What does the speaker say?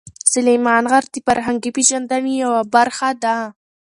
سلیمان غر د فرهنګي پیژندنې یوه برخه ده.